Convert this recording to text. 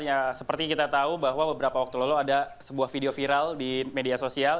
ya seperti kita tahu bahwa beberapa waktu lalu ada sebuah video viral di media sosial